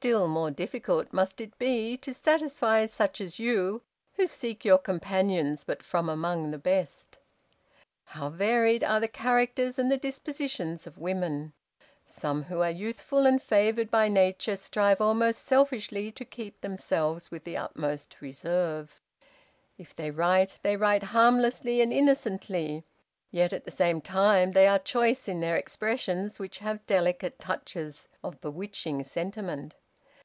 Still more difficult must it be to satisfy such as you who seek your companions but from among the best! "How varied are the characters and the dispositions of women! Some who are youthful and favored by Nature strive almost selfishly to keep themselves with the utmost reserve. If they write, they write harmlessly and innocently; yet, at the same time, they are choice in their expressions, which have delicate touches of bewitching sentiment.